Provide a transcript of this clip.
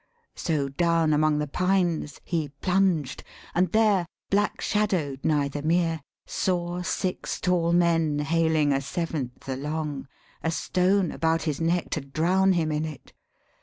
so down among the pines He plunged; and there, blackshadow'd nigh the mere, Saw six tall men haling a seventh along, A stone about his neck to drown him in it.